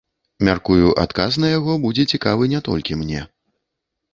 Мяркую, адказ на яго будзе цікавы не толькі мне.